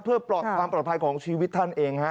เพื่อปลอดภัยของชีวิตท่านเองครับ